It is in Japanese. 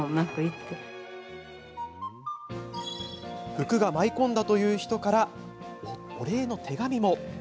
福が舞い込んだという人からはお礼の手紙も。